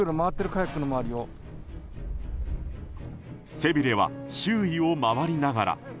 背びれは周囲を回りながら。